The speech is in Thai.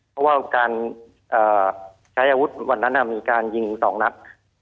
เพราะว่าการใช้อาวุธวันนั้นมีการยิง๒นัด